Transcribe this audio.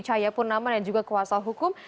cahaya purnama dan juga kuasa hukum